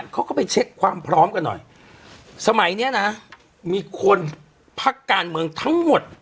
เขาก็ไปเช็คความพร้อมกันหน่อยสมัยเนี้ยนะมีคนพักการเมืองทั้งหมด